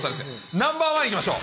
ナンバー１いきましょう。